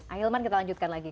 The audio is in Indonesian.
ayuman kita lanjutkan lagi